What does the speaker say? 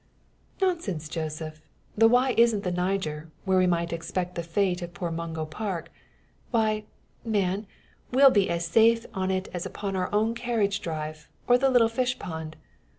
"Nonsense, Joseph! The Wye isn't the Niger, where we might expect the fate of poor Mungo Park. Why, man, we'll be as safe on it as upon our own carriage drive, or the little fishpond.